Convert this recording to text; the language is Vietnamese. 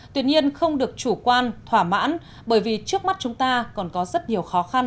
tuy nhiên không được chủ quan thỏa mãn bởi vì trước mắt chúng ta còn có rất nhiều khó khăn